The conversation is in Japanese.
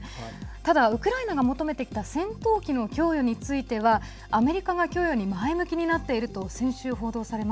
ただウクライナが求めてきた戦闘機の供与についてはアメリカが供与に前向きになっていると先週はい。